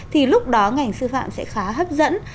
thì lúc đó ngành sư phạm sẽ khá hấp dẫn